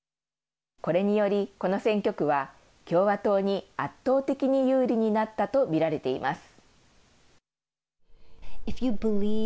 これによりこの選挙区は共和党に圧倒的に有利になったと見られています。